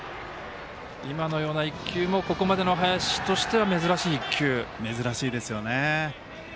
今のような１球もここまでの林としては珍しいですね。